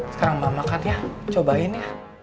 sekarang mbak makan ya cobain ya